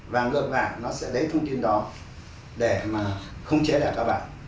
và ngược vào nó sẽ lấy thông tin đó để mà không chế lại các bạn